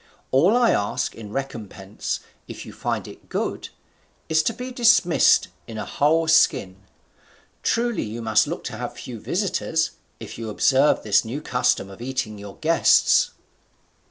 All I ask in recompense, if you find it good, is to be dismissed in a whole skin. Truly you must look to have few visitors, if you observe this new custom of eating your guests."